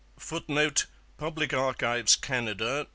[Footnote: Public Archives, Canada.